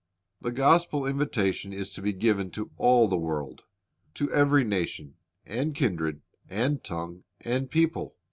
The gospel invitation is to be given to all the world, — "to every nation, and kindred, and tongue, and people."